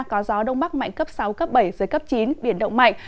có gió đông bắc mạnh cấp sáu cấp bảy giới cấp chín biển động mạnh